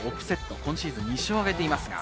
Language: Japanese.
今シーズン２勝を挙げています。